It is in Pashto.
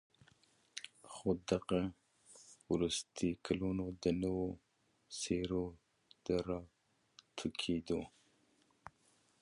خو دغه وروستي كلونه د نوو څېرو د راټوكېدو